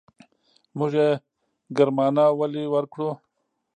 موږ يې ګرمانه ولې ورکړو.